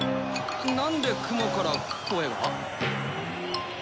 なんで雲から声が？